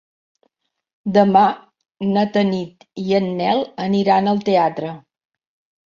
Demà na Tanit i en Nel aniran al teatre.